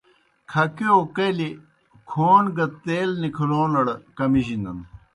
کَھکِیؤ کلیْ کھون گہ تیل نِکھلونڑ کمِجنَن۔